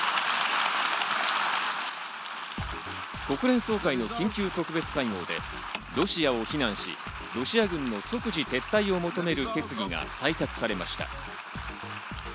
国連総会の緊急特別会合でロシアを非難し、ロシア軍の即時撤退を求める決議が採択されました。